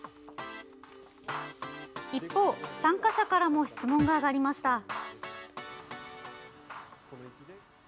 一方、参加者からも質問が上がりました。